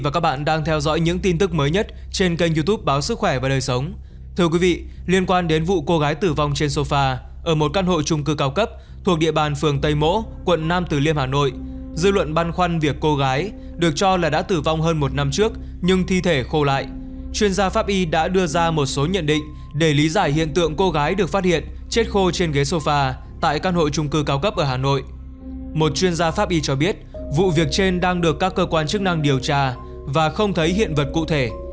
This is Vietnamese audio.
các bạn hãy đăng ký kênh để ủng hộ kênh của chúng mình nhé